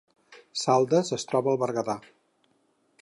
Saldes es troba al Berguedà